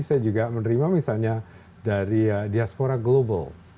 saya juga menerima misalnya dari diaspora global